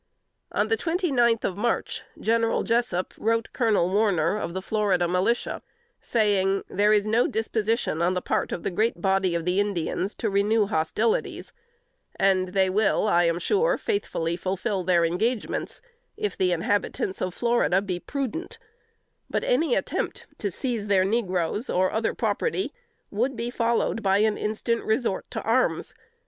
On the twenty ninth of March, General Jessup wrote Colonel Warner, of the Florida Militia, saying, "There is no disposition on the part of the great body of the Indians to renew hostilities; and they will, I am sure, faithfully fulfill their engagements, if the inhabitants of Florida be prudent: but any attempt to seize their negroes, or other property, would be followed by an instant resort to arms.